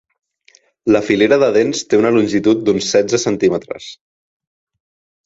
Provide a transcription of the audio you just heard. La filera de dents té una longitud d'uns setze centímetres.